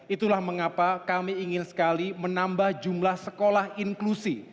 itulah mengapa kami ingin sekali menambah jumlah sekolah inklusi